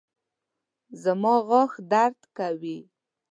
زما غاښ درد کوي